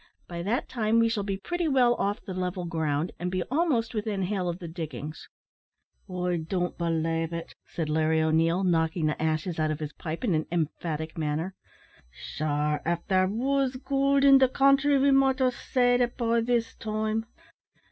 By that time we shall be pretty well off the level ground, and be almost within hail of the diggings " "I don't belave it," said Larry O'Neil, knocking the ashes out of his pipe in an emphatic manner; "sure av there was goold in the country we might have seed it by this time."